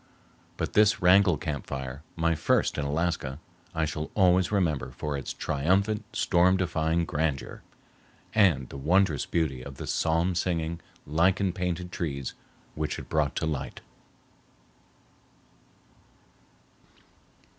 But this Wrangell camp fire, my first in Alaska, I shall always remember for its triumphant storm defying grandeur, and the wondrous beauty of the psalm singing, lichen painted trees which it brought to light.